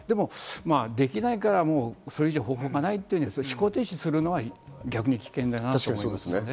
できないから方法がないっていうふうに思考停止するのは逆に危険だなと思います。